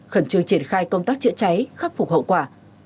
khẩn trương triển khai công tác chữa cháy khắc phục hậu quả